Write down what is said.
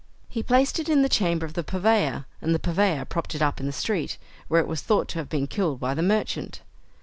He placed it in the chamber of the purveyor, and the purveyor propped it up in the street, where it was thought to have been killed by the merchant.